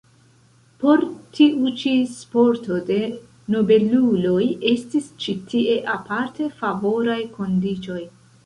Por tiu ĉi sporto de nobeluloj estis ĉi tie aparte favoraj kondiĉoj.